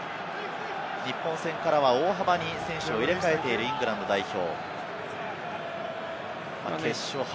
日本戦からは大幅に選手を入れ替えているイングランド代表。